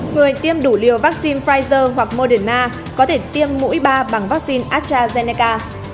người tiêm đủ liều vaccine pfizer hoặc modionna có thể tiêm mũi ba bằng vaccine astrazeneca